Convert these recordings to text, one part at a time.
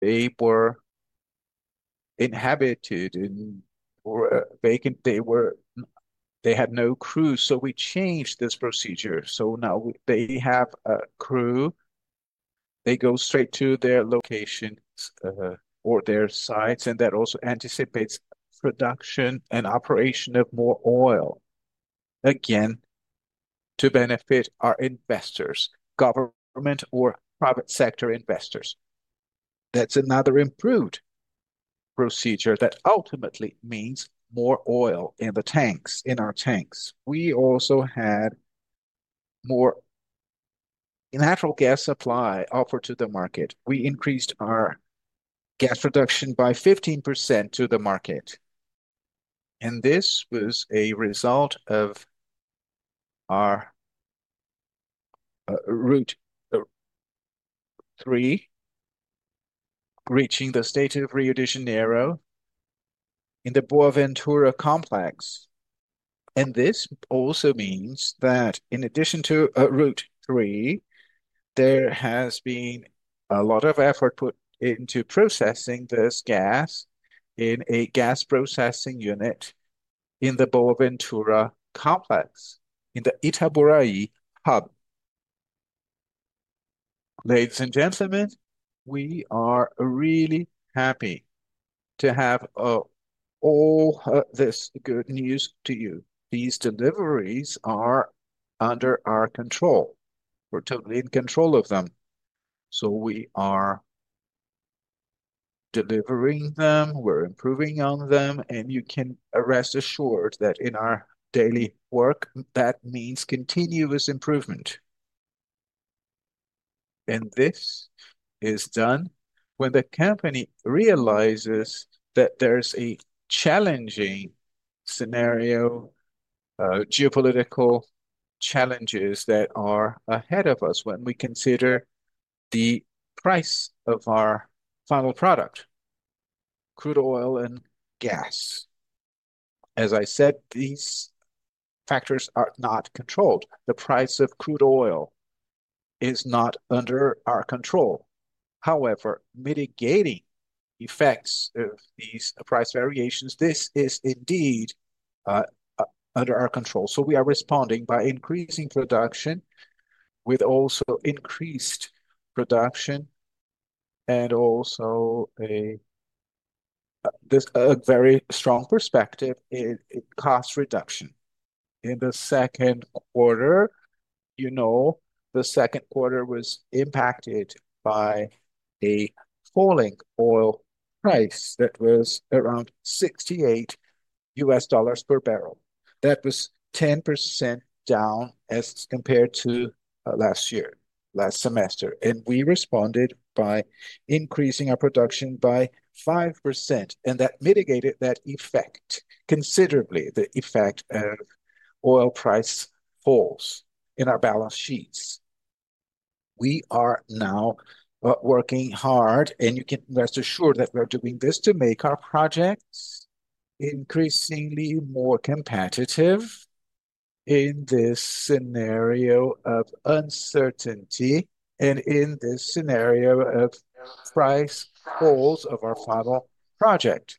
They were inhabited and they had no crew, so we changed this procedure. Now they have a crew, they go straight to their location, or their sites, and that also anticipates production and operation of more oil. Again, to benefit our investors, government or private sector investors. That's another improved procedure that ultimately means more oil in the tanks, in our tanks. We also had more natural gas supply offered to the market. We increased our gas production by 15% to the market. This was a result of our Route 3, reaching the state of Rio de Janeiro in the Boaventura complex. This also means that in addition to Route 3, there has been a lot of effort put into processing this gas in a gas processing unit in the Boaventura complex in the Itaboraí hub. Ladies and gentlemen, we are really happy to have all this good news to you. These deliveries are under our control. We're totally in control of them. We are delivering them, we're improving on them, and you can rest assured that in our daily work, that means continuous improvement. This is done when the company realizes that there's a challenging scenario, geopolitical challenges that are ahead of us when we consider the price of our final product, crude oil and gas. As I said, these factors are not controlled. The price of crude oil is not under our control. However, mitigating effects of these price variations, this is indeed under our control. We are responding by increasing production with also increased production and also a very strong perspective in cost reduction. In the second quarter, you know, the second quarter was impacted by a falling oil price that was around $68 per barrel. That was 10% down as compared to last year, last semester. We responded by increasing our production by 5%, and that mitigated that effect considerably, the effect of oil price falls in our balance sheets. We are now working hard, and you can rest assured that we're doing this to make our projects increasingly more competitive in this scenario of uncertainty and in this scenario of price falls of our final product.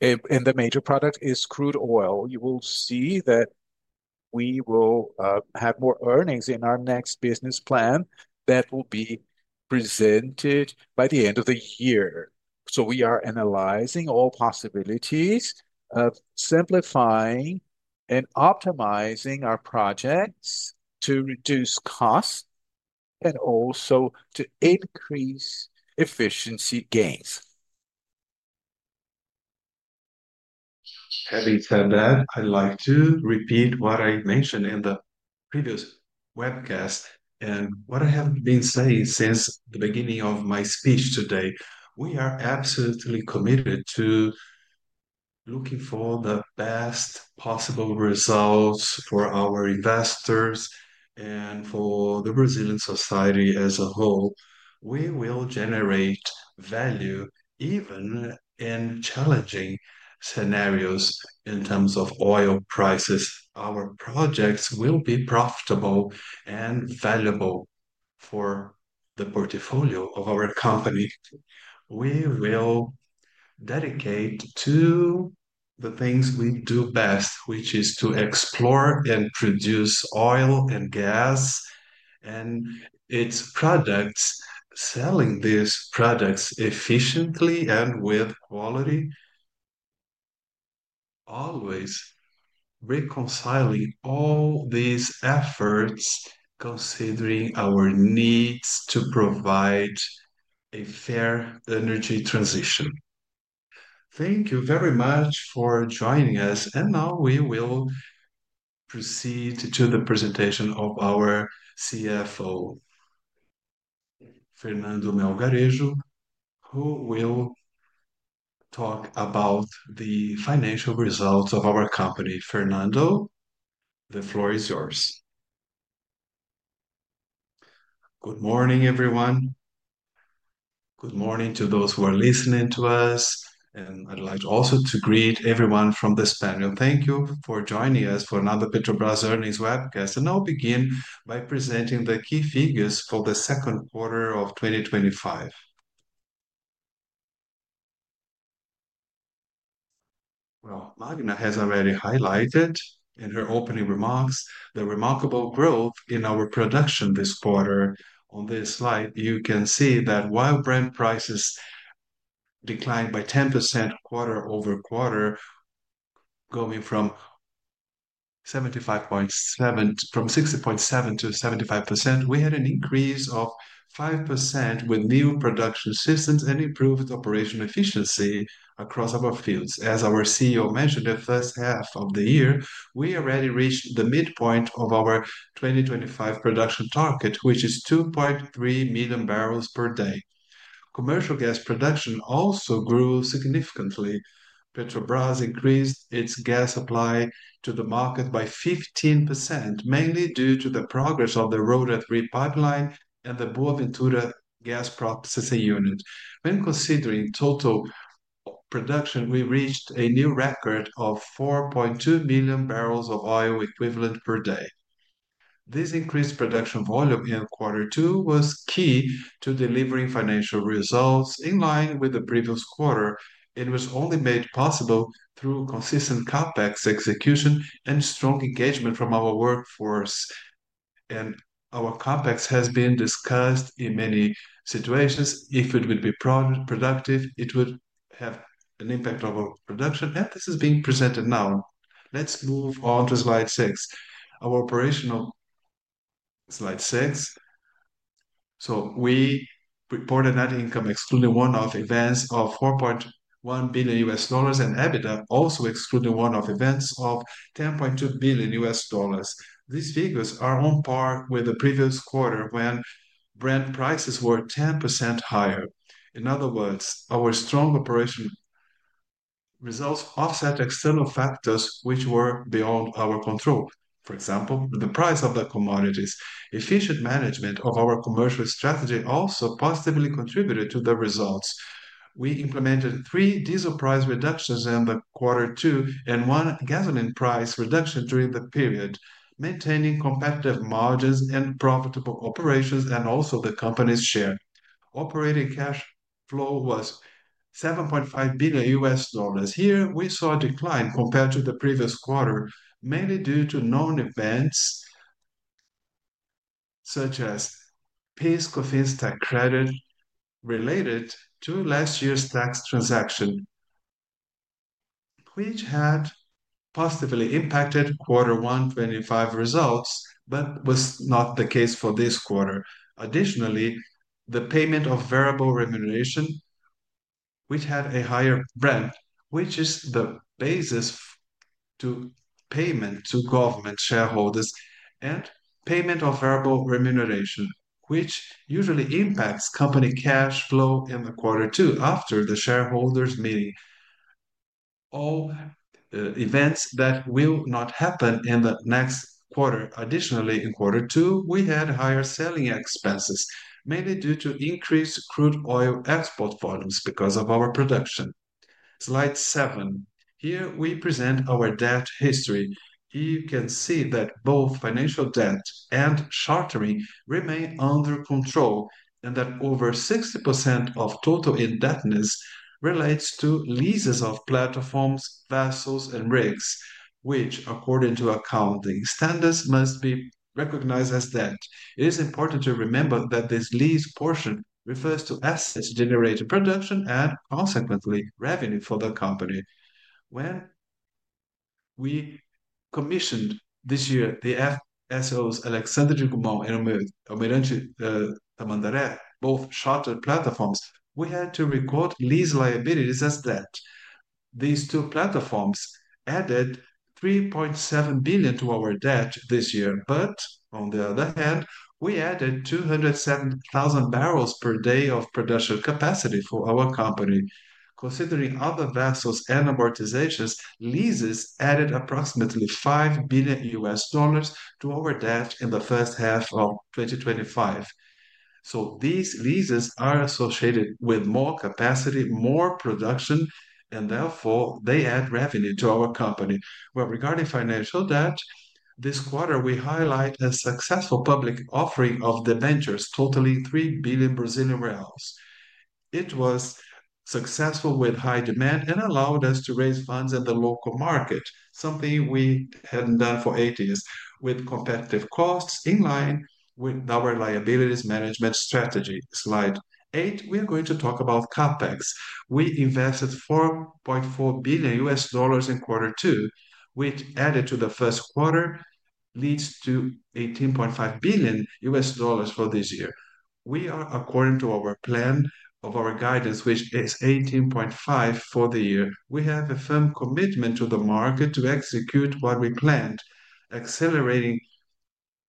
The major product is crude oil. You will see that we will have more earnings in our next business plan that will be presented by the end of the year. We are analyzing all possibilities of simplifying and optimizing our projects to reduce costs and also to increase efficiency gains. Having said that, I'd like to repeat what I mentioned in the previous webcast and what I have been saying since the beginning of my speech today. We are absolutely committed to looking for the best possible results for our investors and for the Brazilian society as a whole. We will generate value even in challenging scenarios in terms of oil prices. Our projects will be profitable and valuable for the portfolio of our company. We will dedicate to the things we do best, which is to explore and produce oil and gas and its products, selling these products efficiently and with quality, always reconciling all these efforts, considering our needs to provide a fair energy transition. Thank you very much for joining us. Now we will proceed to the presentation of our Fernando Melgarejo, who will talk about the financial results of our company. Fernando, the floor is yours. Good morning, everyone. Good morning to those who are listening to us. I'd like also to greet everyone from the Spaniel. Thank you for joining us for another Petrobras Earnings webcast. I'll begin by presenting the key figures for the second quarter of 2025. Magda Maria de Regina Chambriard has already highlighted in her opening remarks the remarkable growth in our production this quarter. On this slide, you can see that while Brent crude prices declined by 10% quarter-over-quarter, going from $75.7 to $75, we had an increase of 5% with new production systems and improved operational efficiency across our fields. As our CEO mentioned, in the first half of the year, we already reached the midpoint of our 2025 production target, which is 2.3 MMbpd. Commercial gas production also grew significantly. Petrobras increased its gas supply to the market by 15%, mainly due to the progress of the Route 3 pipeline and the Boaventura gas processing unit. When considering total production, we reached a new record of 4.2 MMb of oil equivalent per day. This increased production volume in quarter two was key to delivering financial results in line with the previous quarter. It was only made possible through consistent CAPEX execution and strong engagement from our workforce. Our CAPEX has been discussed in many situations. If it would be productive, it would have an impact on our production, and this is being presented now. Let's move on to slide six, our operational slide six. We reported net income excluding one-off events of $4.1 billion and EBITDA also excluding one-off events of $10.2 billion. These figures are on par with the previous quarter when Brent prices were 10% higher. In other words, our strong operation results offset external factors which were beyond our control. For example, the price of the commodities. Efficient management of our commercial strategy also positively contributed to the results. We implemented three diesel price reductions in quarter two and one gasoline price reduction during the period, maintaining competitive margins and profitable operations and also the company's share. Operating cash flow was $7.5 billion. Here, we saw a decline compared to the previous quarter, mainly due to known events such as PIS/COFINS tax credit related to last year's tax transaction, which had positively impacted quarter one 2024 results, but was not the case for this quarter. Additionally, the payment of variable remuneration, which had a higher breadth, which is the basis to payment to government shareholders, and payment of variable remuneration, which usually impacts company cash flow in quarter two after the shareholders' meeting. All events that will not happen in the next quarter. Additionally, in quarter two, we had higher selling expenses, mainly due to increased crude oil export volumes because of our production. Slide seven. Here, we present our debt history. You can see that both financial debt and short-term remain under control and that over 60% of total indebtedness relates to leases of platforms, vessels, and rigs, which, according to accounting standards, must be recognized as debt. It is important to remember that this lease portion refers to assets generating production and, consequently, revenue for the company. When we commissioned this year the FPSOs Alexandre de Gusmão and Almirante Tamandaré, both chartered platforms, we had to record lease liabilities as debt. These two platforms added $3.7 billion to our debt this year, but on the other hand, we added 207,000 bbl per day of production capacity for our company. Considering other vessels and amortizations, leases added approximately $5 billion to our debt in the first half of 2024. These leases are associated with more capacity, more production, and therefore, they add revenue to our company. Regarding financial debt, this quarter we highlight a successful public offering of debentures, totaling 3 billion Brazilian reais. It was successful with high demand and allowed us to raise funds in the local market, something we hadn't done for ages, with competitive costs in line with our liabilities management strategy. Slide eight, we are going to talk about CAPEX. We invested $4.4 billion in Q2, which, added to the first quarter, leads to $8.5 billion for this year. We are, according to our plan of our guidance, which is $18.5 billion for the year. We have a firm commitment to the market to execute what we planned, accelerating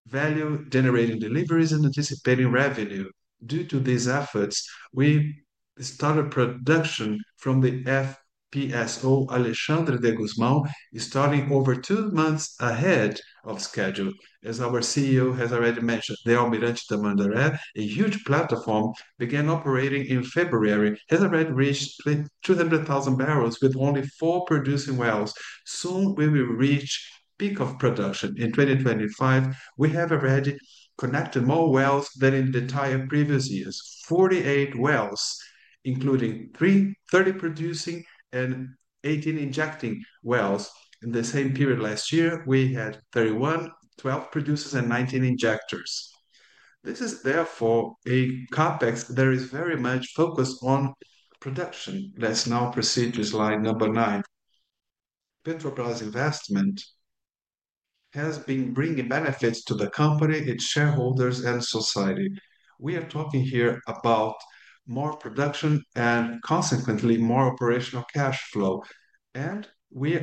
value, generating deliveries, and anticipating revenue. Due to these efforts, we started production from the FPSO Alexandre de Gusmão, starting over two months ahead of schedule. As our CEO has already mentioned, the Almirante Tamandaré, a huge platform, began operating in February, has already reached 200,000 bbl with only four producing wells. Soon, we will reach peak production in 2025. We have already connected more wells than in the entire previous years, 48 wells, including 30 producing and 18 injecting wells. In the same period last year, we had 31, 12 producers, and 19 injectors. This is therefore a CAPEX that is very much focused on production. Let's now proceed to slide number nine. Petrobras' investment has been bringing benefits to the company, its shareholders, and society. We are talking here about more production and, consequently, more operational cash flow. We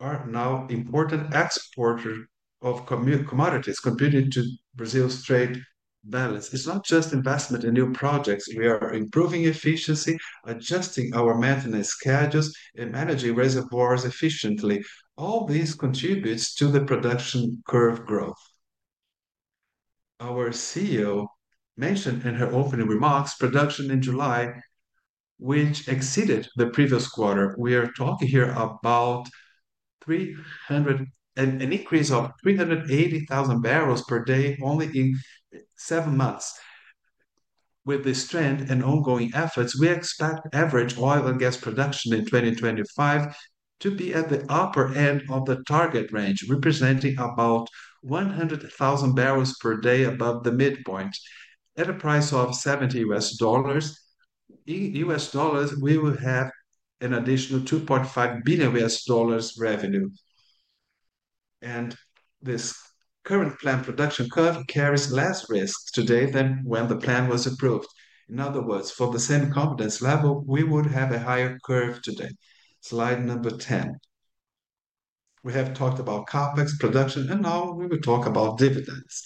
are now an important exporter of commodities contributing to Brazil's trade balance. It's not just investment in new projects. We are improving efficiency, adjusting our maintenance schedules, and managing reservoirs efficiently. All this contributes to the production curve growth. Our CEO mentioned in her opening remarks production in July, which exceeded the previous quarter. We are talking here about an increase of 380,000 bpd only in seven months. With this trend and ongoing efforts, we expect average oil and gas production in 2025 to be at the upper end of the target range, representing about 100,000 bpd above the midpoint. At a price of $70, we will have an additional $2.5 billion revenue. This current planned production curve carries less risk today than when the plan was approved. In other words, for the same confidence level, we would have a higher curve today. Slide number 10. We have talked about CAPEX production, and now we will talk about dividends.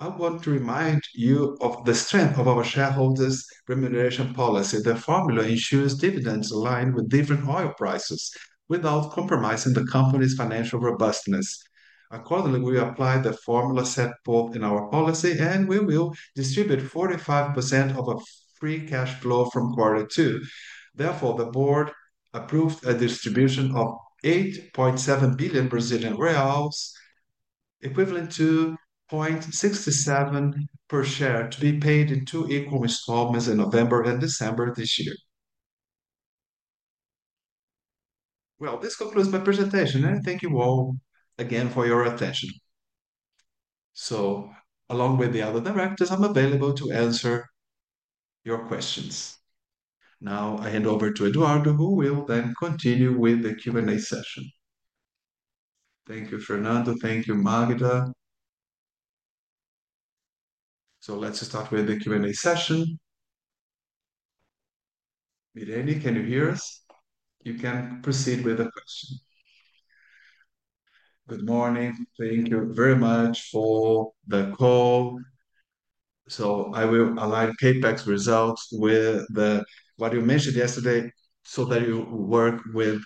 I want to remind you of the strength of our shareholders' remuneration policy. The formula ensures dividends align with different oil prices without compromising the company's financial robustness. Accordingly, we apply the formula set forth in our policy, and we will distribute 45% of free cash flow from quarter two. Therefore, the board approved a distribution of 8.7 billion Brazilian reais, equivalent to 0.67 per share, to be paid in two equal installments in November and December of this year. This concludes my presentation, and I thank you all again for your attention. Along with the other directors, I'm available to answer your questions. I hand over to Eduardo, who will then continue with the Q&A session. Thank you, Fernando. Thank you, Magda. Let's start with the Q&A session. Milani, can you hear us? You can proceed with the question. Good morning. Thank you very much for the call. I will align CAPEX results with what you mentioned yesterday so that you work with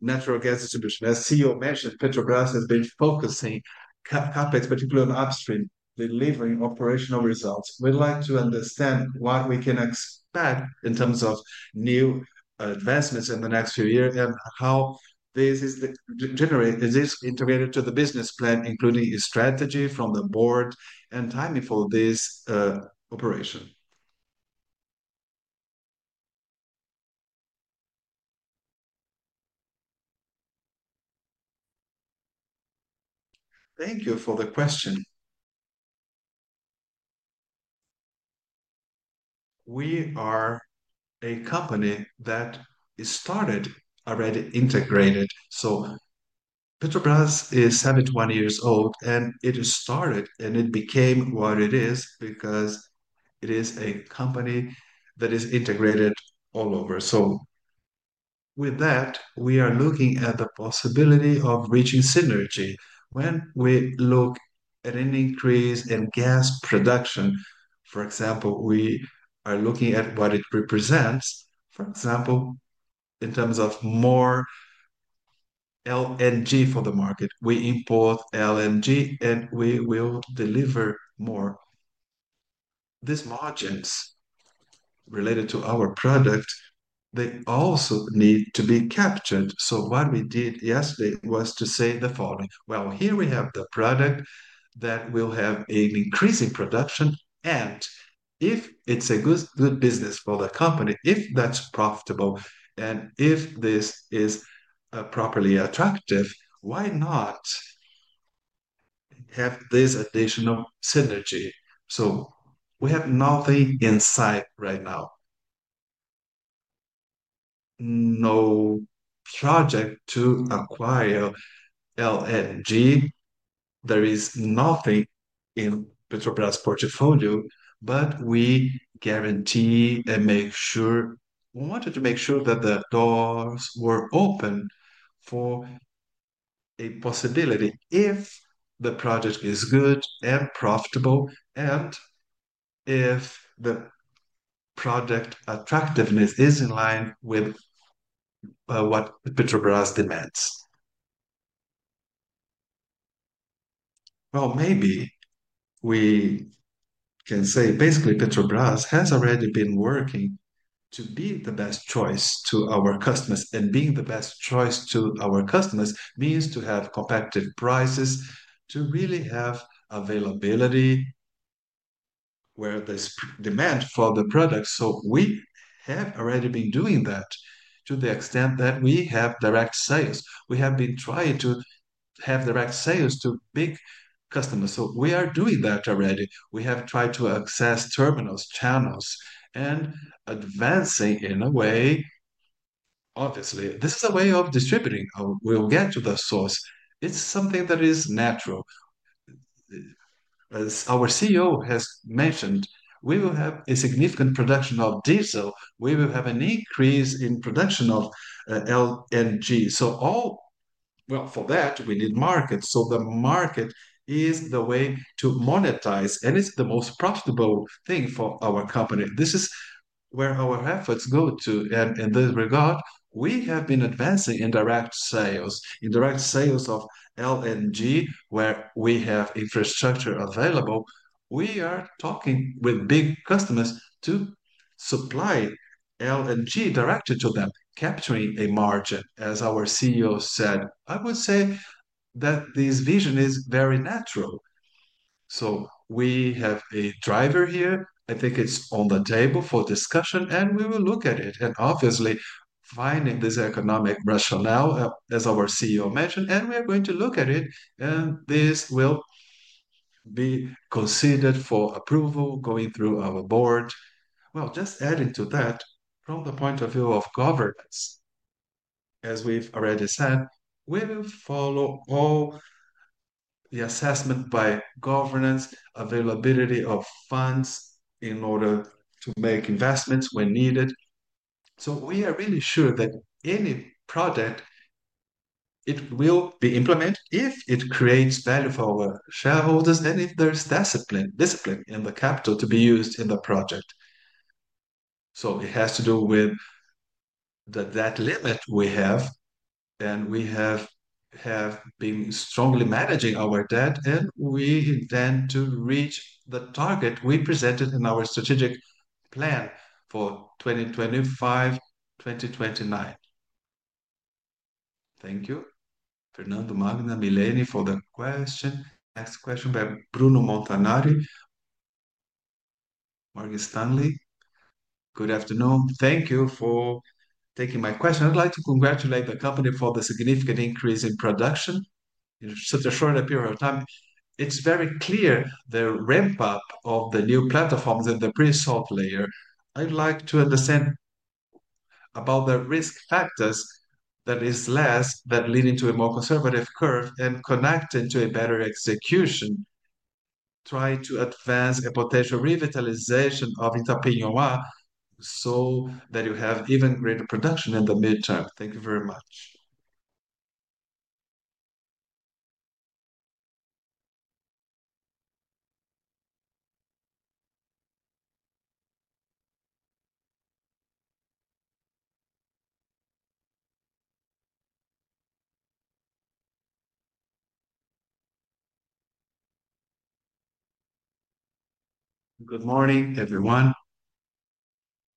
natural gas distribution. As the CEO mentioned, Petrobras has been focusing CAPEX, particularly on upstream, delivering operational results. We'd like to understand what we can expect in terms of new investments in the next few years and how this is generated. Is this integrated to the business plan, including a strategy from the board and timing for this operation? Thank you for the question. We are a company that is started already integrated. Petrobras is 71 years old, and it started, and it became what it is because it is a company that is integrated all over. With that, we are looking at the possibility of reaching synergy. When we look at an increase in gas production, for example, we are looking at what it represents. For example, in terms of more LNG for the market, we import LNG, and we will deliver more. These margins related to our product, they also need to be captured. What we did yesterday was to say the following. Here we have the product that will have an increase in production, and if it's a good business for the company, if that's profitable, and if this is properly attractive, why not have this additional synergy? We have nothing in sight right now. No project to acquire LNG. There is nothing in Petrobras' portfolio, but we guarantee and make sure we wanted to make sure that the doors were open for a possibility if the project is good and profitable and if the project attractiveness is in line with what Petrobras demands. Maybe we can say basically Petrobras has already been working to be the best choice to our customers, and being the best choice to our customers means to have competitive prices, to really have availability where there's demand for the product. We have already been doing that to the extent that we have direct sales. We have been trying to have direct sales to big customers. We are doing that already. We have tried to access terminals, channels, and advancing in a way. Obviously, this is a way of distributing. We will get to the source. It's something that is natural. As our CEO has mentioned, we will have a significant production of diesel. We will have an increase in production of LNG. For that, we need markets. The market is the way to monetize, and it's the most profitable thing for our company. This is where our efforts go to. In this regard, we have been advancing in direct sales. In direct sales of LNG, where we have infrastructure available, we are talking with big customers to supply LNG directly to them, capturing a margin. As our CEO said, I would say that this vision is very natural. We have a driver here. I think it's on the table for discussion, and we will look at it. Obviously, finding this economic rationale, as our CEO mentioned, we are going to look at it, and this will be considered for approval going through our board. Just adding to that, from the point of view of governance, as we've already said, we will follow all the assessment by governance, availability of funds in order to make investments when needed. We are really sure that any project will be implemented if it creates value for our shareholders and if there's discipline in the capital to be used in the project. It has to do with the debt limit we have, and we have been strongly managing our debt, and we intend to reach the target we presented in our strategic plan for 2025, 2029. Thank you, Fernando Magna Mileni, for the question. Next question by Bruno Montanari. Good afternoon. Thank you for taking my question. I'd like to congratulate the company for the significant increase in production in such a short period of time. It's very clear the ramp-up of the new platforms in the Pre-salt layer. I'd like to understand about the risk factors that are less, that lead to a more conservative curve and connecting to a better execution, trying to advance a potential revitalization of Interpinoar so that you have even greater production in the midterm. Thank you very much. Good morning, everyone.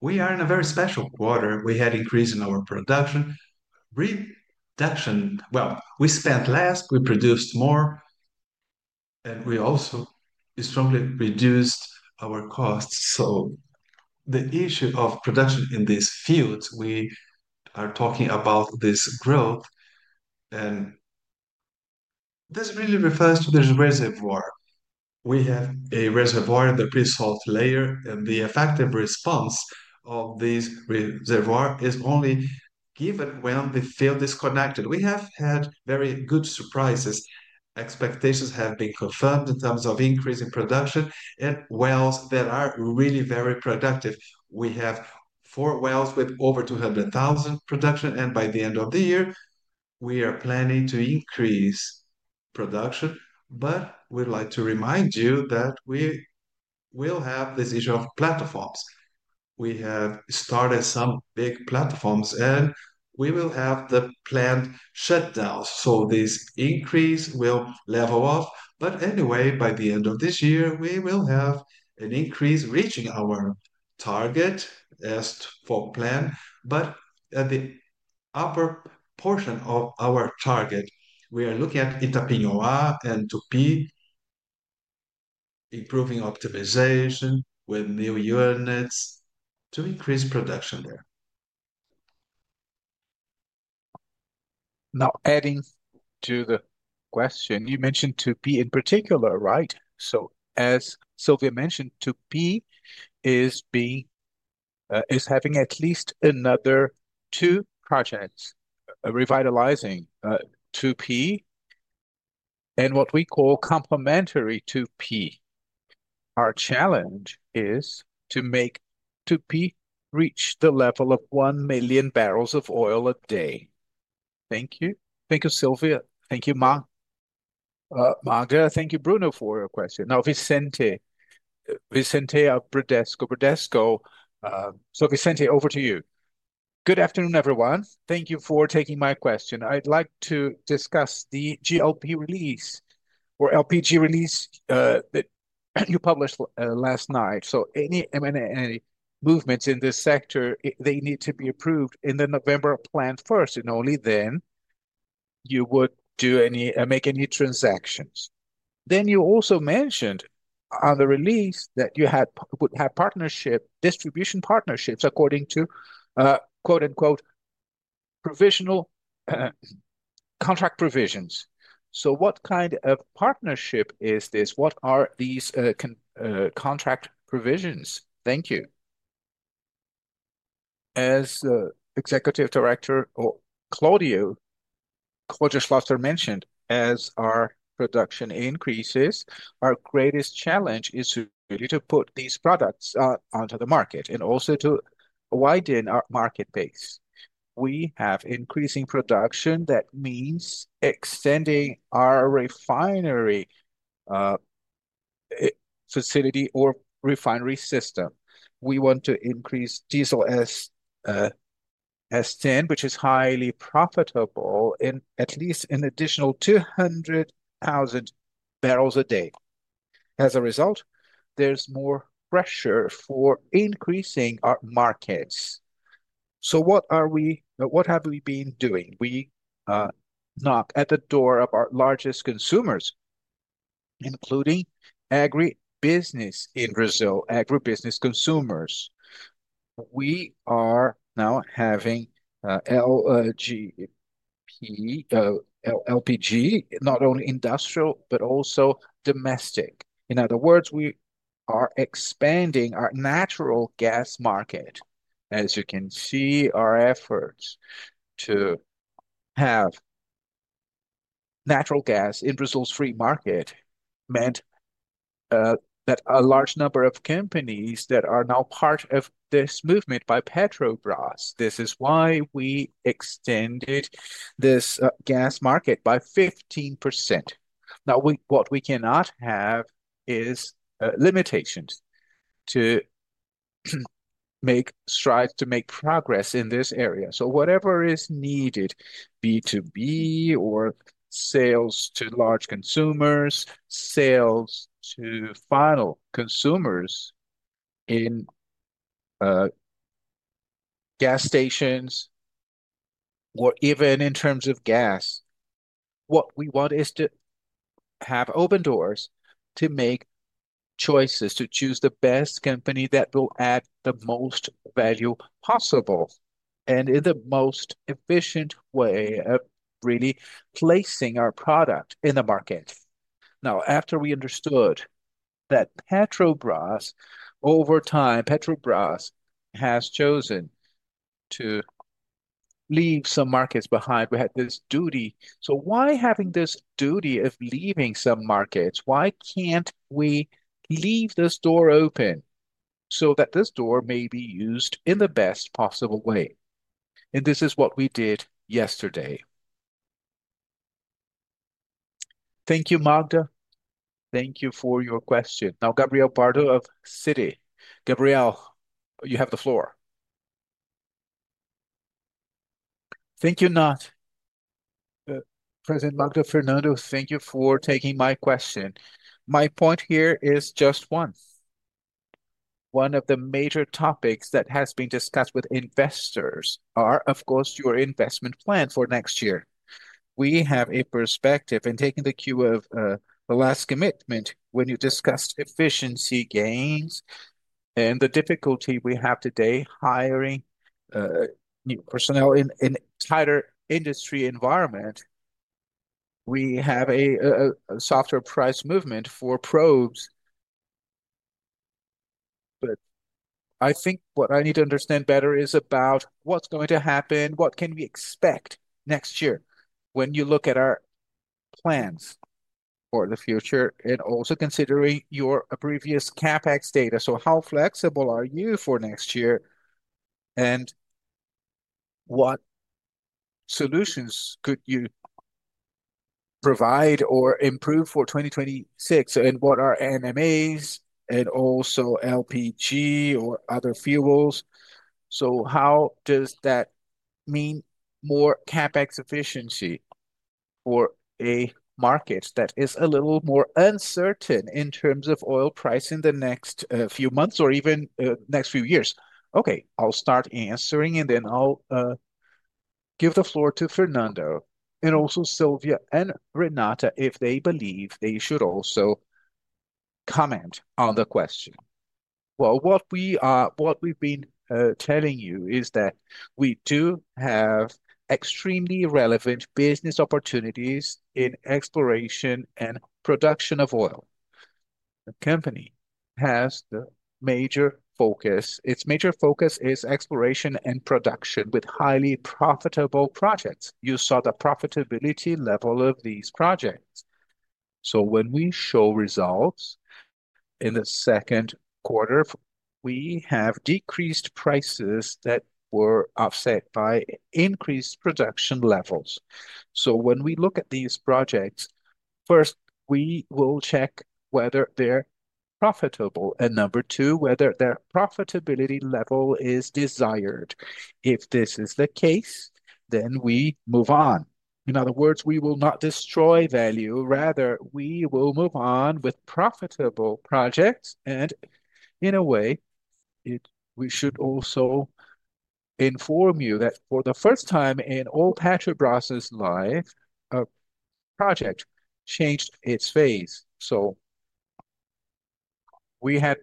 We are in a very special quarter. We had an increase in our production. We spent less, we produced more, and we also strongly reduced our costs. The issue of production in these fields, we are talking about this growth, and this really refers to the reservoir. We have a reservoir in the Pre-salt layer, and the effective response of this reservoir is only given when the field is connected. We have had very good surprises. Expectations have been confirmed in terms of increasing production and wells that are really very productive. We have four wells with over 200,000 production, and by the end of the year, we are planning to increase production, but we'd like to remind you that we will have this issue of platforms. We have started some big platforms, and we will have the planned shutdowns. This increase will level off, but anyway, by the end of this year, we will have an increase reaching our target as planned. At the upper portion of our target, we are looking at Interpinoar and Tupi, improving optimization with new units to increase production there. Now, adding to the question, you mentioned Tupi in particular, right? As Sylvia mentioned, Tupi is having at least another two projects revitalizing Tupi and what we call complementary Tupi. Our challenge is to make Tupi reach the level of 1 MMb of oil a day. Thank you. Thank you, Sylvia. Thank you, Magda. Thank you, Bruno, for your question. Now, Vicente. Vicente of Banco Bradesco BBI. Banco Bradesco BBI. Vicente, over to you. Good afternoon, everyone. Thank you for taking my question. I'd like to discuss the LPG release that you published last night. Any M&A movements in this sector need to be approved in the November plan first, and only then would you make any transactions. You also mentioned on the release that you had partnerships, distribution partnerships, according to quote-unquote "provisional contract provisions." What kind of partnership is this? What are these contract provisions? Thank you. As the Executive Director Claudio Schlosser mentioned, as our production increases, our greatest challenge is really to put these products onto the market and also to widen our market base. We have increasing production that means extending our refinery facility or refinery system. We want to increase diesel as sin, which is highly profitable, in at least an additional 200,000 barrels a day. As a result, there's more pressure for increasing our markets. What have we been doing? We knock at the door of our largest consumers, including agribusiness in Brazil, agribusiness consumers. We are now having LPG, not only industrial, but also domestic. In other words, we are expanding our natural gas market. As you can see, our efforts to have natural gas in Brazil's free market meant that a large number of companies are now part of this movement by Petrobras. This is why we extended this gas market by 15%. What we cannot have is limitations to make strides to make progress in this area. Whatever is needed, B2B or sales to large consumers, sales to final consumers in gas stations or even in terms of gas, what we want is to have open doors to make choices, to choose the best company that will add the most value possible and in the most efficient way of really placing our product in the market. After we understood that Petrobras, over time, Petrobras has chosen to leave some markets behind, we had this duty. Why having this duty of leaving some markets? Why can't we leave this door open so that this door may be used in the best possible way? This is what we did yesterday. Thank you, Magda. Thank you for your question. Now, Gabriel Barra of Citigroup. Gabriel, you have the floor. Thank you a lot. President Magda, Fernando, thank you for taking my question. My point here is just one. One of the major topics that has been discussed with investors are, of course, your investment plan for next year. We have a perspective in taking the cue of the last commitment when you discussed efficiency gains and the difficulty we have today hiring new personnel in a tighter industry environment. We have a softer price movement for probes. I think what I need to understand better is about what's going to happen, what can we expect next year when you look at our plans for the future and also considering your previous CAPEX data. How flexible are you for next year and what solutions could you provide or improve for 2026? What are NMAs and also LPG or other fuels? How does that mean more CAPEX efficiency for a market that is a little more uncertain in terms of oil price in the next few months or even the next few years? I'll start answering and then I'll give the floor to Fernando and also Sylvia and Renata if they believe they should also comment on the question. What we've been telling you is that we do have extremely relevant business opportunities in exploration and production of oil. The company has the major focus. Its major focus is exploration and production with highly profitable projects. You saw the profitability level of these projects. When we show results in the second quarter, we have decreased prices that were offset by increased production levels. When we look at these projects, first, we will check whether they're profitable and number two, whether their profitability level is desired. If this is the case, then we move on. In other words, we will not destroy value. Rather, we will move on with profitable projects. In a way, we should also inform you that for the first time in all Petrobras' life, a project changed its phase. We had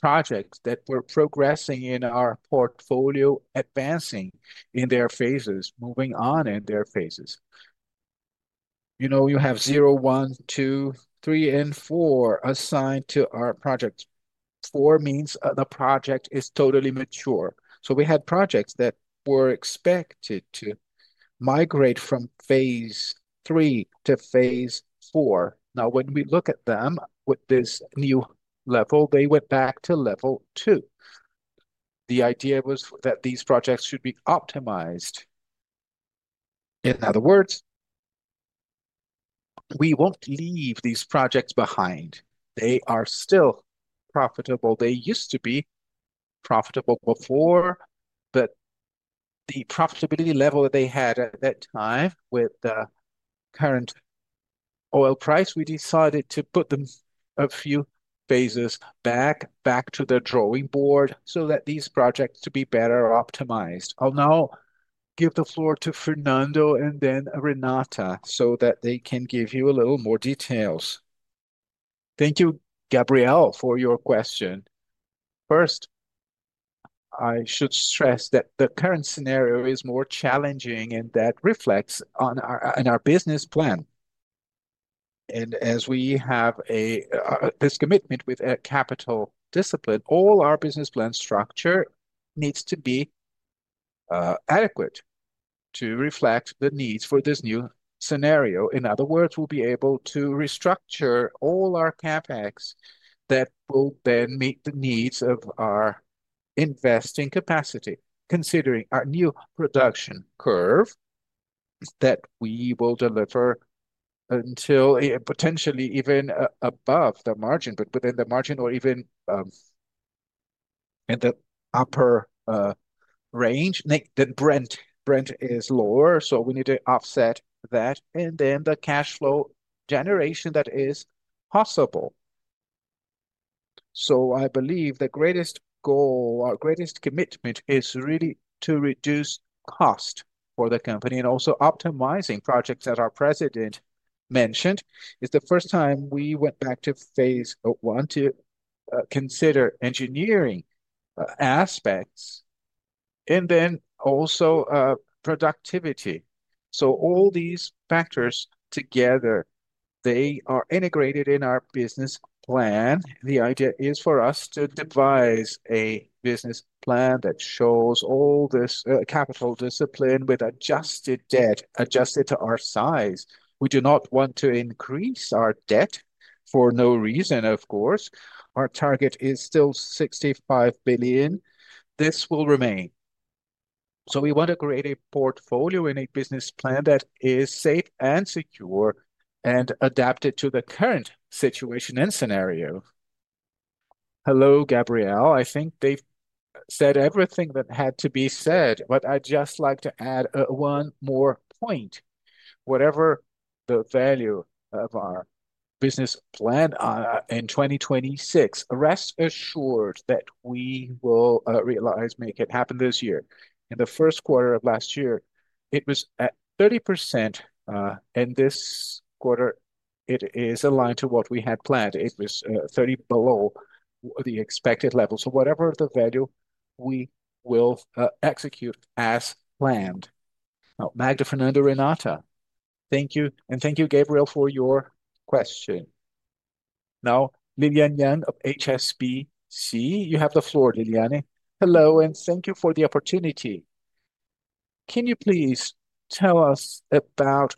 projects that were progressing in our portfolio, advancing in their phases, moving on in their phases. You know, you have zero, one, two, three, and four assigned to our project. Four means the project is totally mature. We had projects that were expected to migrate from phase III to phase IV. Now, when we look at them with this new level, they went back to level two. The idea was that these projects should be optimized. In other words, we won't leave these projects behind. They are still profitable. They used to be profitable before, but the profitability level that they had at that time with the current oil price, we decided to put them a few phases back, back to the drawing board so that these projects could be better optimized. I'll now give the floor to Fernando and then Renata so that they can give you a little more details. Thank you, Gabriel, for your question. First, I should stress that the current scenario is more challenging and that reflects in our business plan. As we have this commitment with capital discipline, all our business plan structure needs to be adequate to reflect the needs for this new scenario. In other words, we'll be able to restructure all our CAPEX that will then meet the needs of our investing capacity, considering our new production curve that we will deliver until potentially even above the margin, but within the margin or even in the upper range. The Brent is lower, so we need to offset that and then the cash flow generation that is possible. I believe the greatest goal, our greatest commitment is really to reduce cost for the company and also optimizing projects that our President mentioned. It's the first time we went back to phase I to consider engineering aspects and then also productivity. All these factors together, they are integrated in our business plan. The idea is for us to devise a business plan that shows all this capital discipline with adjusted debt adjusted to our size. We do not want to increase our debt for no reason, of course. Our target is still $65 billion. This will remain. We want to create a portfolio and a business plan that is safe and secure and adapted to the current situation and scenario. Hello, Gabriel. I think they've said everything that had to be said, but I'd just like to add one more point. Whatever the value of our business plan in 2026, rest assured that we will realize and make it happen this year. In the first quarter of last year, it was at 30%. In this quarter, it is aligned to what we had planned. It was 30% below the expected level. Whatever the value, we will execute as planned. Magda, Fernando, Renata, thank you. Thank you, Gabriel, for your question. Now, Lilyanna Yang of HSBC. You have the floor, Lilyanna. Hello, and thank you for the opportunity. Can you please tell us about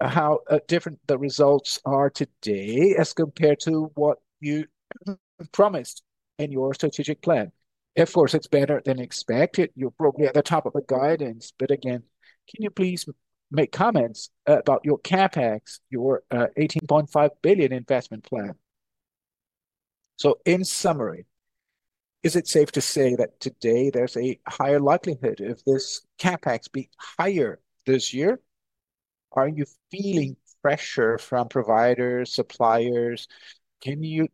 how different the results are today as compared to what you promised in your strategic plan? Of course, it's better than expected. You're probably at the top of the guidance, but again, can you please make comments about your CapEx, your $18.5 billion investment plan? In summary, is it safe to say that today there's a higher likelihood of this CapEx being higher this year? Are you feeling pressure from providers, suppliers? Can you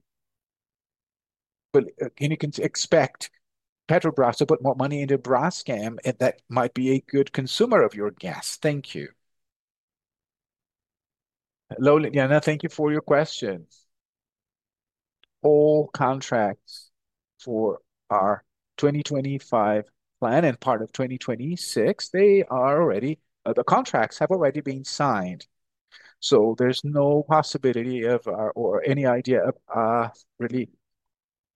expect Petrobras to put more money into Braskem? That might be a good consumer of your gas. Thank you. Hello, Lilyanna. Thank you for your question. All contracts for our 2025 plan and part of 2026, they are already, the contracts have already been signed. There's no possibility of or any idea of really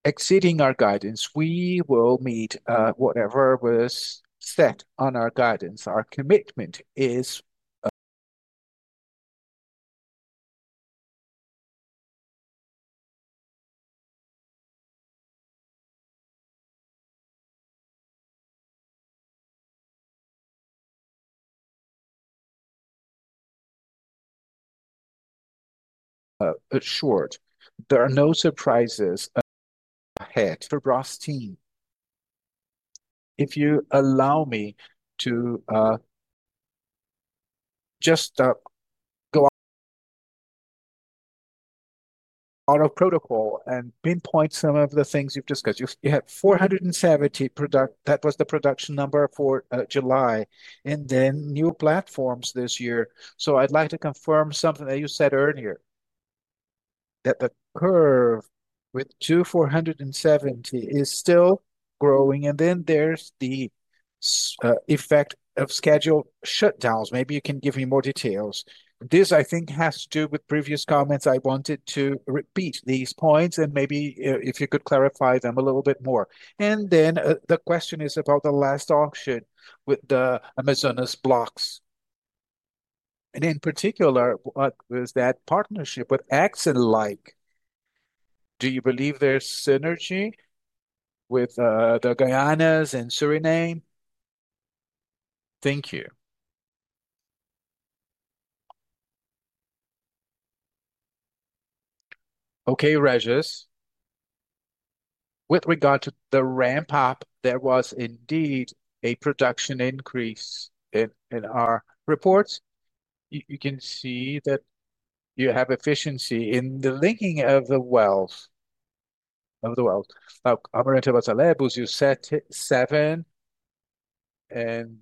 exceeding our guidance. We will meet whatever was set on our guidance. Our commitment is short. There are no surprises ahead. Petrobras team, if you allow me to just go on a protocol and pinpoint some of the things you've discussed. You had 2,470 products. That was the production number for July and then new platforms this year. I'd like to confirm something that you said earlier, that the curve with 2,470 is still growing, and then there's the effect of scheduled shutdowns. Maybe you can give me more details. This, I think, has to do with previous comments. I wanted to repeat these points and maybe if you could clarify them a little bit more. The question is about the last auction with the Amazonas blocks. In particular, what was that partnership with Exxon like? Do you believe there's synergy with the Guyanas and Suriname? Thank you. Okay, Regis. With regard to the ramp-up, there was indeed a production increase in our reports. You can see that you have efficiency in the linking of the wells. Almirante Tamandaré, Búzios 7, and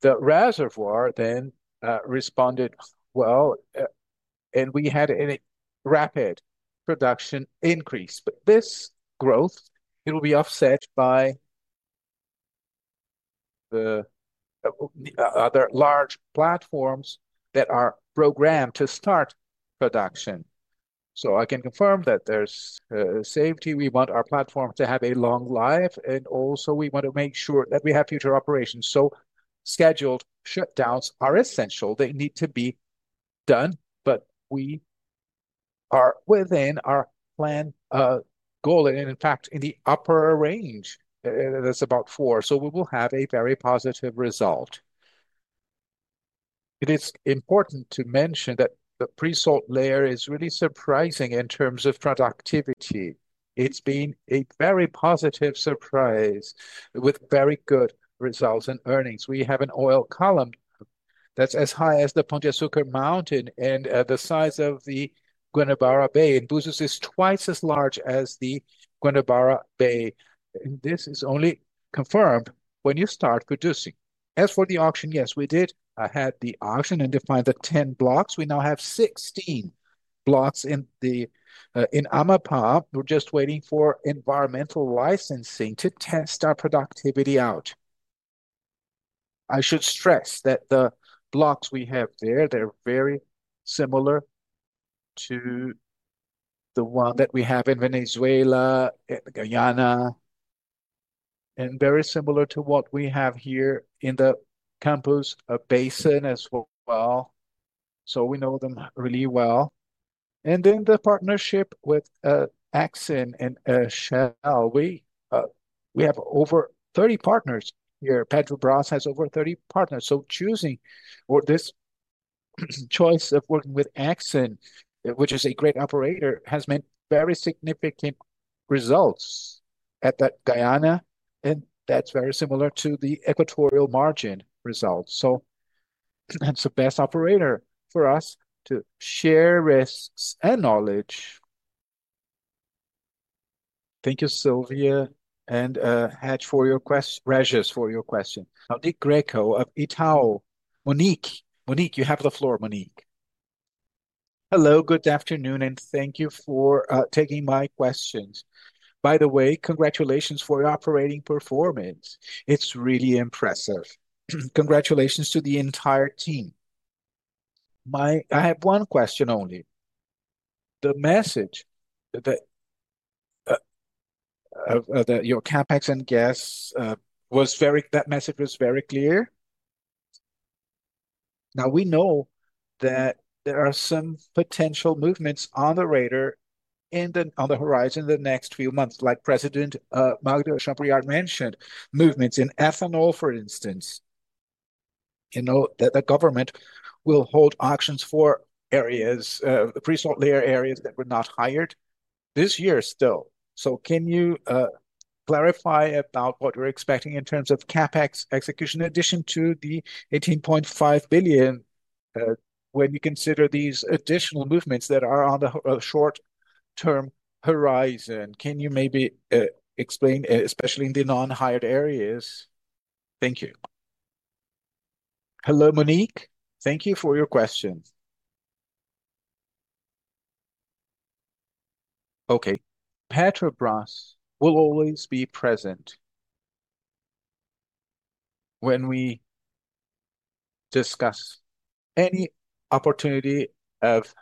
the reservoir then responded well, and we had a rapid production increase. This growth will be offset by the other large platforms that are programmed to start production. I can confirm that there's a safety. We want our platform to have a long life, and also we want to make sure that we have future operations. Scheduled shutdowns are essential. They need to be done, but we are within our plan goal, and in fact, in the upper range, that's about four. We will have a very positive result. It is important to mention that the Pre-salt layer is really surprising in terms of productivity. It's been a very positive surprise with very good results and earnings. We have an oil column that's as high as the Pão de Açúcar Mountain and the size of the Guanabara Bay. Búzios is twice as large as the Guanabara Bay. This is only confirmed when you start producing. As for the auction, yes, we did. I had the auction and defined the 10 blocks. We now have 16 blocks in Amapá. We're just waiting for environmental licensing to test our productivity out. I should stress that the blocks we have there, they're very similar to the ones that we have in Venezuela and Guyana, and very similar to what we have here in the Campos Basin as well. We know them really well. The partnership with Exxon and Shell, we have over 30 partners here. Petrobras has over 30 partners. Choosing or this choice of working with Exxon, which is a great operator, has meant very significant results at that Guyana, and that's very similar to the Equatorial Margin results. That's the best operator for us to share risks and knowledge. Thank you, Sylvia, and Hedge for your question, Regis for your question. Now, Monique Greco of Itaú. Monique, Monique, you have the floor, Monique. Hello, good afternoon, and thank you for taking my questions. By the way, congratulations for your operating performance. It's really impressive. Congratulations to the entire team. I have one question only. The message that your CAPEX and gas was very, that message was very clear. We know that there are some potential movements on the radar and on the horizon in the next few months, like President Magda Maria de Regina Chambriard mentioned, movements in ethanol, for instance. You know that the government will hold auctions for areas, Pre-salt layer areas that were not hired this year still. Can you clarify about what we're expecting in terms of CAPEX execution, in addition to the $18.5 billion, when you consider these additional movements that are on the short-term horizon? Can you maybe explain, especially in the non-hired areas? Thank you. Hello, Monique. Thank you for your question. Petrobras will always be present when we discuss any opportunity of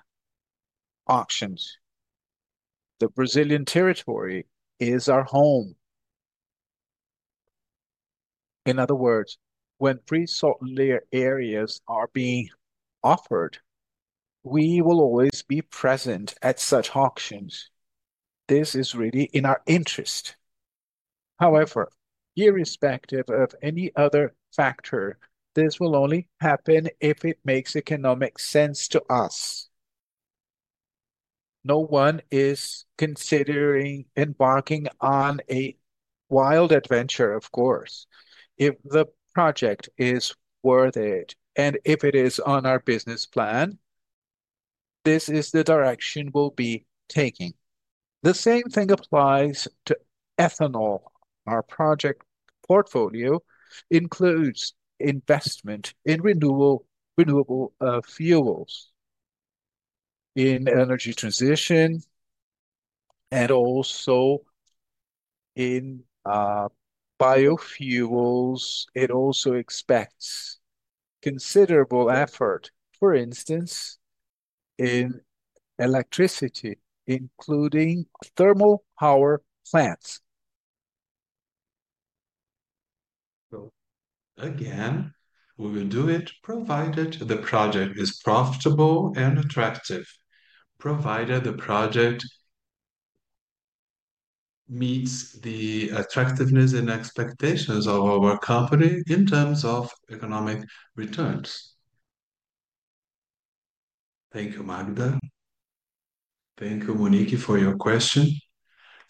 auctions. The Brazilian territory is our home. In other words, when Pre-salt layer areas are being offered, we will always be present at such auctions. This is really in our interest. However, irrespective of any other factor, this will only happen if it makes economic sense to us. No one is considering embarking on a wild adventure, of course. If the project is worth it and if it is on our business plan, this is the direction we'll be taking. The same thing applies to ethanol. Our project portfolio includes investment in renewable fuels, in energy transition, and also in biofuels. It also expects considerable effort, for instance, in electricity, including thermal power plants. Again, we will do it provided the project is profitable and attractive, provided the project meets the attractiveness and expectations of our company in terms of economic returns. Thank you, Magda. Thank you, Monique, for your question.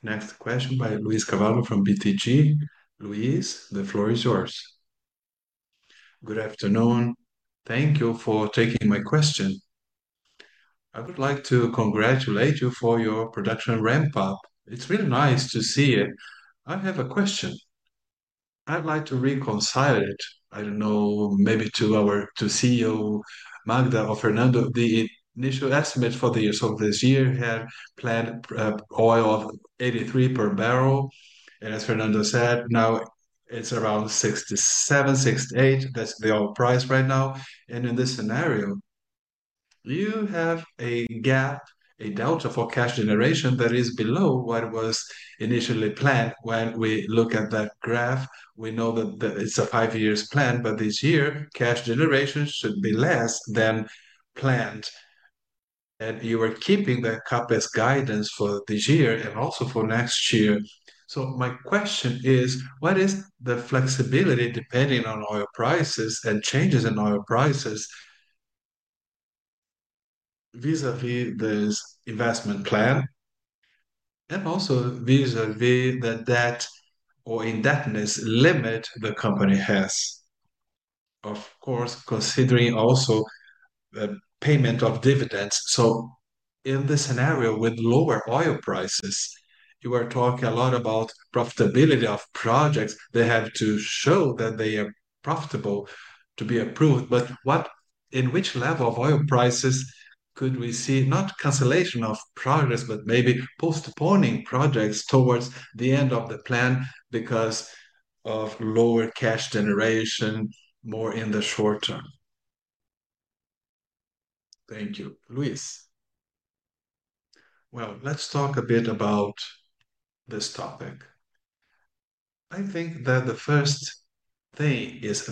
Next question by Luiz Felipe Carvalho from Banco BTG Pactual. Luiz, the floor is yours. Good afternoon. Thank you for taking my question. I would like to congratulate you for your production ramp-up. It's really nice to see it. I have a question. I'd like to reconcile it. I don't know, maybe to our CEO, Magda or Fernando, the initial estimates for the use of this year have planned oil of $83 per barrel. As Fernando said, now it's around $67, $68. That's the oil price right now. In this scenario, you have a gap, a delta for cash generation that is below what was initially planned. When we look at that graph, we know that it's a five-year plan, but this year, cash generation should be less than planned. You were keeping the CAPEX guidance for this year and also for next year. My question is, what is the flexibility depending on oil prices and changes in oil prices vis-à-vis this investment plan and also vis-à-vis the debt or indebtedness limit the company has? Of course, considering also the payment of dividends. In this scenario with lower oil prices, you were talking a lot about profitability of projects. They have to show that they are profitable to be approved. In which level of oil prices could we see not cancellation of projects, but maybe postponing projects towards the end of the plan because of lower cash generation more in the short term? Thank you, Luiz. Let's talk a bit about this topic. I think that the first thing is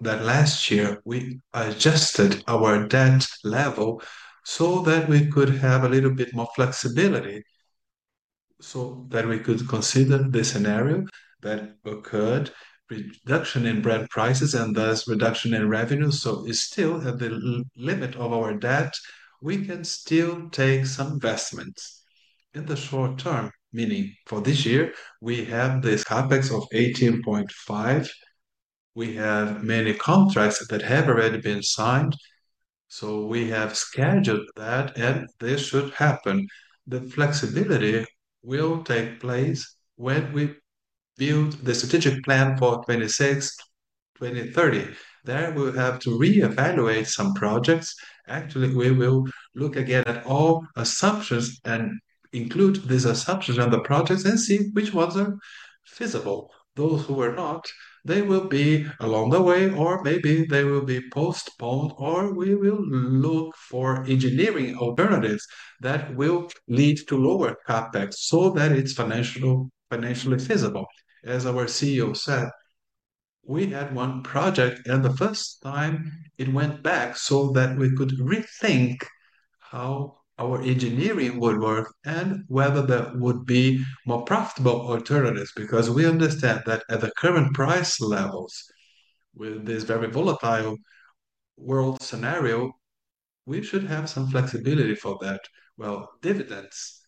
that last year we adjusted our debt level so that we could have a little bit more flexibility so that we could consider this scenario that occurred, reduction in Brent prices and thus reduction in revenue. It is still at the limit of our debt. We can still take some investments in the short term, meaning for this year we have this CAPEX of $18.5 billion. We have many contracts that have already been signed. We have scheduled that and this should happen. The flexibility will take place when we build the strategic plan for 2026-2030. We will have to reevaluate some projects. Actually, we will look again at all assumptions and include these assumptions on the projects and see which ones are feasible. Those who are not, they will be along the way or maybe they will be postponed or we will look for engineering alternatives that will lead to lower CAPEX so that it's financially feasible. As our CEO said, we had one project and the first time it went back so that we could rethink how our engineering would work and whether there would be more profitable alternatives because we understand that at the current price levels with this very volatile world scenario, we should have some flexibility for that. Dividends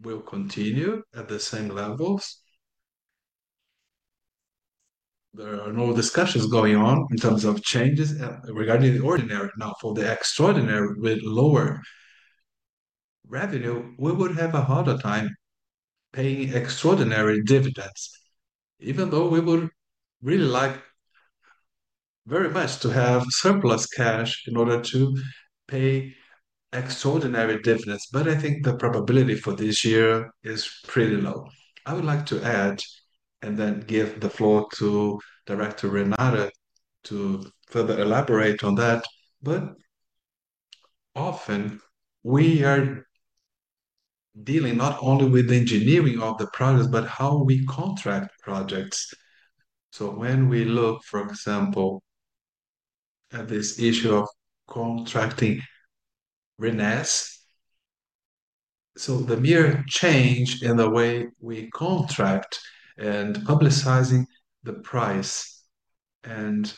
will continue at the same levels. There are no discussions going on in terms of changes regarding the ordinary. Now, for the extraordinary with lower revenue, we would have a harder time paying extraordinary dividends, even though we would really like very much to have surplus cash in order to pay extraordinary dividends. I think the probability for this year is pretty low. I would like to add and then give the floor to Director Renata to further elaborate on that. Often we are dealing not only with the engineering of the projects, but how we contract projects. When we look, for example, at this issue of contracting Renas, the mere change in the way we contract and publicizing the price and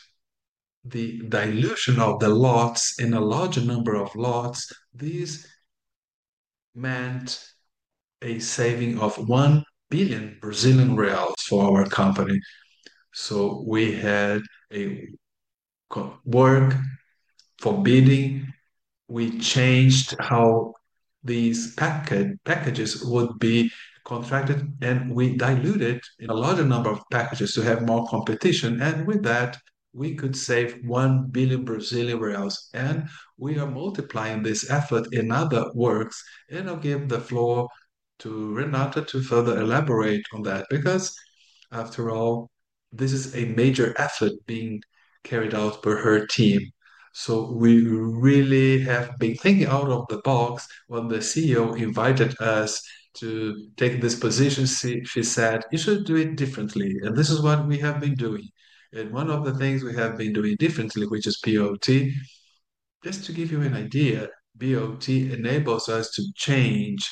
the dilution of the lots in a larger number of lots, these meant a saving of 1 billion Brazilian reais for our company. We had a work for bidding. We changed how these packages would be contracted, and we diluted a larger number of packages to have more competition. With that, we could save 1 billion Brazilian reais. We are multiplying this effort in other works. I'll give the floor to Renata to further elaborate on that because, after all, this is a major effort being carried out by her team. We really have been thinking out of the box. When the CEO invited us to take this position, she said, "You should do it differently." This is what we have been doing. One of the things we have been doing differently, which is POT. Just to give you an idea, POT enables us to change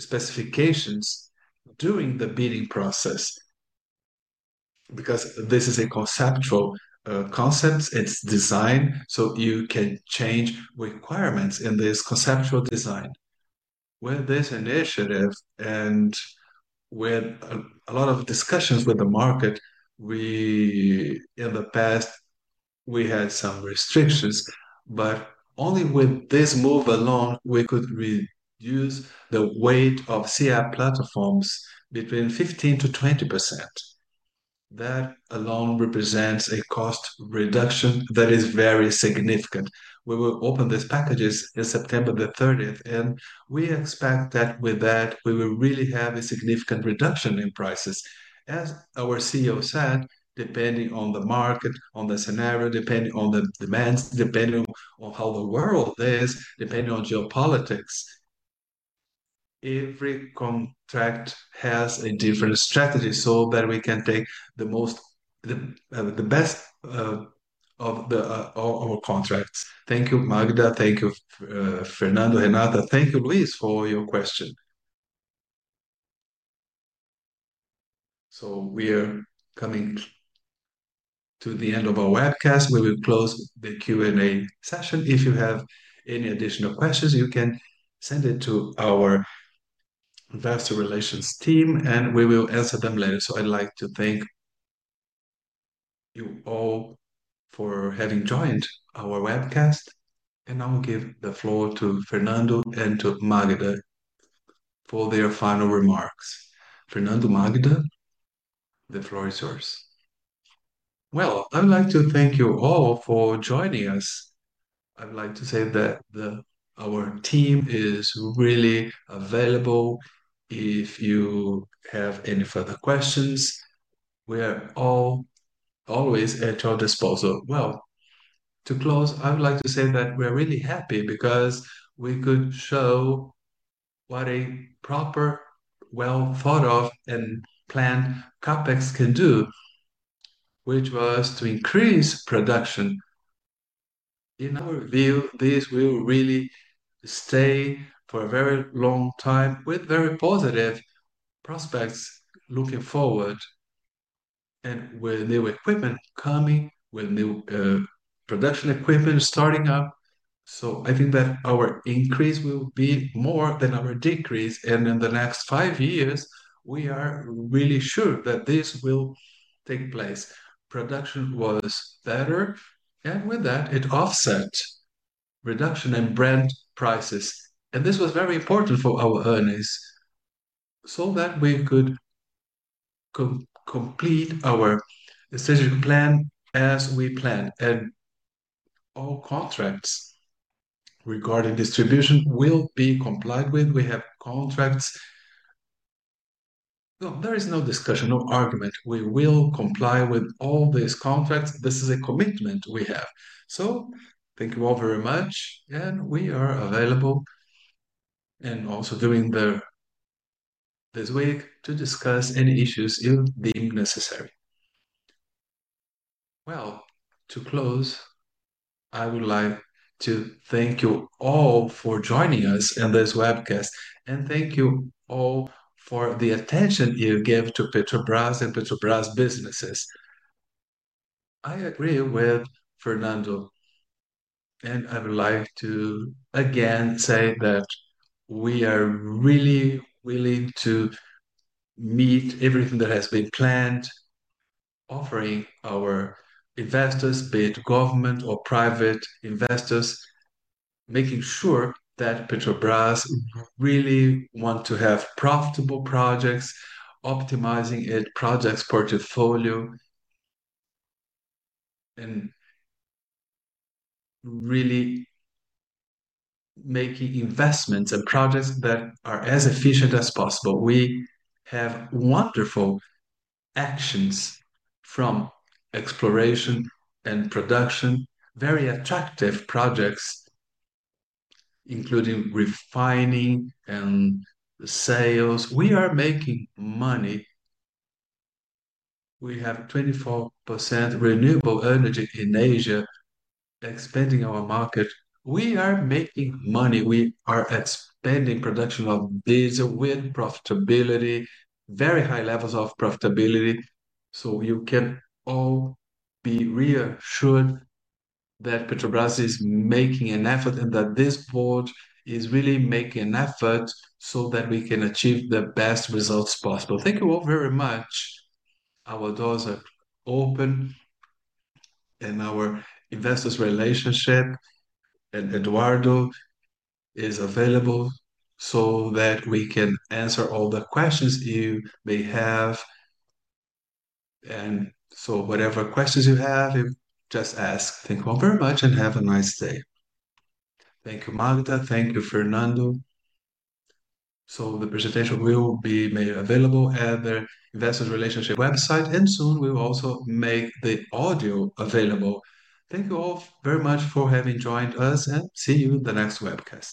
specifications during the bidding process because this is a conceptual concept. It's designed so you can change requirements in this conceptual design. When there's initiatives and with a lot of discussions with the market, in the past, we had some restrictions, but only with this move alone, we could reduce the weight of CI platforms between 15%-20%. That alone represents a cost reduction that is very significant. We will open these packages on September 30, and we expect that with that, we will really have a significant reduction in prices. As our CEO said, depending on the market, on the scenario, depending on the demands, depending on how the world is, depending on geopolitics, every contract has a different strategy so that we can take the most, the best of our contracts. Thank you, Magda. Thank you, Fernando, Renata. Thank you, Luiz, for your question. We are coming to the end of our webcast. We will close the Q&A session. If you have any additional questions, you can send it to our investor relations team, and we will answer them later. I'd like to thank you all for having joined our webcast. I'll give the floor to Fernando and to Magda for their final remarks. Fernando, Magda, the floor is yours. I'd like to thank you all for joining us. I'd like to say that our team is really available if you have any further questions. We are always at your disposal. To close, I would like to say that we are really happy because we could show what a proper, well-thought-of and planned CAPEX can do, which was to increase production. In our view, this will really stay for a very long time with very positive prospects looking forward and with new equipment coming, with new production equipment starting up. I think that our increase will be more than our decrease. In the next five years, we are really sure that this will take place. Production was better, and with that, it offset reduction in Brent prices. This was very important for our earnings so that we could complete our strategic plan as we planned. All contracts regarding distribution will be complied with. We have contracts. No, there is no discussion, no argument. We will comply with all these contracts. This is a commitment we have. Thank you all very much. We are available and also during this week to discuss any issues you deem necessary. To close, I would like to thank you all for joining us in this webcast. Thank you all for the attention you give to Petrobras and Petrobras businesses. I agree with Fernando, and I would like to again say that we are really willing to meet everything that has been planned, offering our investors, be it government or private investors, making sure that Petrobras really wants to have profitable projects, optimizing its projects portfolio, and really making investments in projects that are as efficient as possible. We have wonderful actions from exploration and production, very attractive projects, including refining and the sales. We are making money. We have 24% renewable energy in Asia, expanding our market. We are making money. We are expanding production of diesel with profitability, very high levels of profitability. You can all be reassured that Petrobras is making an effort and that this board is really making an effort so that we can achieve the best results possible. Thank you all very much. Our doors are open, and our investors' relationship, and Eduardo is available so that we can answer all the questions you may have. Whatever questions you have, just ask. Thank you all very much and have a nice day. Thank you, Magda. Thank you, Fernando. The presentation will be made available at the investor relationship website, and soon we will also make the audio available. Thank you all very much for having joined us, and see you in the next webcast.